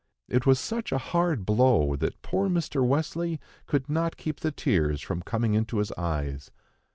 It was such a hard blow that poor Mr. Wesley could not keep the tears from coming into his eyes.